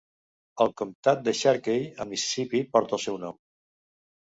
El Comtat de Sharkey a Mississipí porta el seu nom.